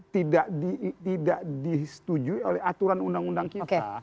tidak disetujui oleh aturan undang undang kita